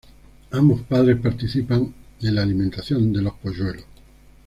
Ambos padres participan en la alimentación de los polluelos.